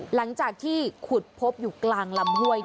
หลังจากที่ขุดพบอยู่กลางลำห้วย